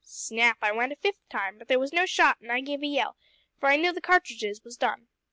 Snap I went a fifth time; but there was no shot, an' I gave a yell, for I knew the cartridges was done.